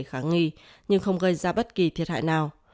khả nghi nhưng không gây ra bất kỳ thiệt hại nào